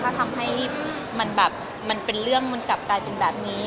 ถ้าทำให้มันแบบมันเป็นเรื่องมันกลับกลายเป็นแบบนี้